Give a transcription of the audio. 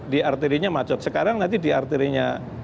di arterinya macet sekarang nanti di arterinya